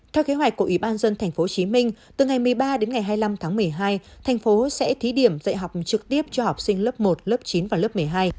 theo kế hoạch của ủy ban dân thành phố hồ chí minh từ ngày một mươi ba đến ngày hai mươi năm tháng một mươi hai thành phố sẽ thí điểm dạy học trực tiếp cho học sinh lớp một lớp chín và lớp một mươi hai